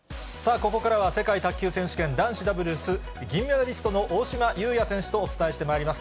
ここからは、世界卓球選手権男子ダブルス銀メダリストの大島祐哉選手とお伝えしてまいります。